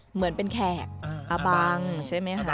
เหมือนเป็นแขกอาบังใช่ไหมคะ